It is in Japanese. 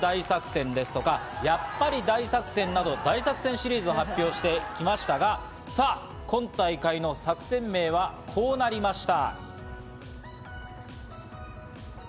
これまで「パワフル大作戦」、「やっぱり大作戦」など、大作戦シリーズを発表してきましたが、さぁ今大会の作戦名はこうなりました。